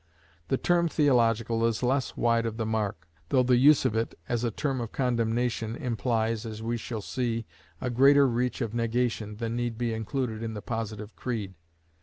The term Theological is less wide of the mark, though the use of it as a term of condemnation implies, as we shall see, a greater reach of negation than need be included in the Positive creed.